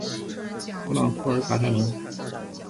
弗朗库尔卡泰隆。